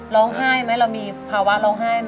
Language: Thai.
ร้องไห้ไหมเรามีภาวะร้องไห้ไหม